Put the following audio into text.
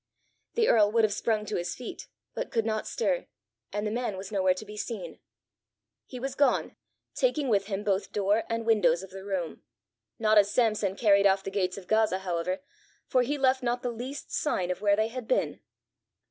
The earl would have sprung to his feet, but could not stir, and the man was nowhere to be seen. He was gone, taking with him both door and windows of the room not as Samson carried off the gates of Gaza, however, for he left not the least sign of where they had been.